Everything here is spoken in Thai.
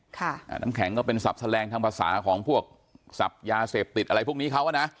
น้ำแข็งก็เป็นศัพท์แสดงทางภาษาของพวกสับยาเสพติดอะไรพวกนี้เขาอ่ะนะ